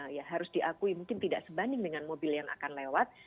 ya harus diakui mungkin tidak sebanding dengan mobil yang akan lewat